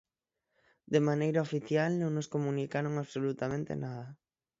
De maneira oficial non nos comunicaron absolutamente nada.